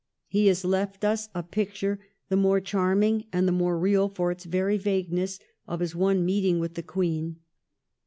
He has left us a picture, the more charming and the more real for its very vagueness, of his one meeting with the Queen.